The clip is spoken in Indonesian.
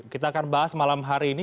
kita akan bahas malam hari ini